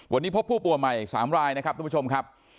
วันนี้พบผู้ป่วยใหม่๓รายนะครับทุกผู้ชมครับ